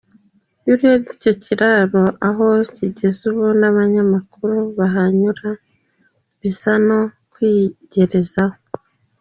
Iyo urebye icyo kiraro aho kigeze ubu n’abanyamaguru bahanyura bias no kwigerezaho.